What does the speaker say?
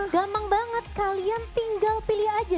gampang banget kalian tinggal pilih aja